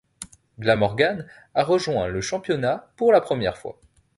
Glamorgan a rejoint le championnat pour la première fois.